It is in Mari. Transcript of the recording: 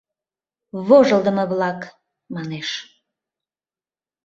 Вожылдымо-влак! — манеш.